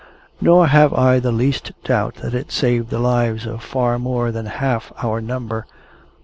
Nor have I the least doubt that it saved the lives of far more than half our number.